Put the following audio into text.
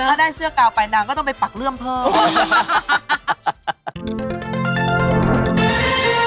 ถ้าได้เสื้อกาวไปนางก็ต้องไปปักเลื่อมเพิ่ม